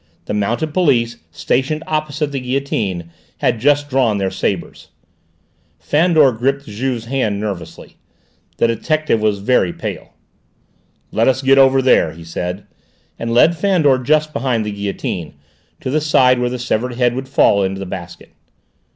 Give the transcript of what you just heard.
The mounted police, stationed opposite the guillotine, had just drawn their sabres. Fandor gripped Juve's hand nervously. The detective was very pale. "Let us get over there," he said, and led Fandor just behind the guillotine, to the side where the severed head would fall into the basket.